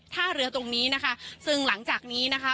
ท่าเรือตรงนี้นะคะซึ่งหลังจากนี้นะคะ